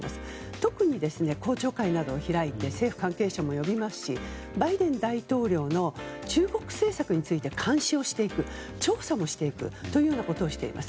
特に、公聴会などを開いて政府関係者も呼びますしバイデン大統領の中国政策について監視をしていく調査もしていくというようなことをしています。